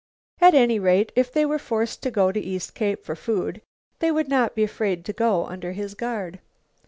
At any rate, if they were forced to go to East Cape for food, they would not be afraid to go under his guard.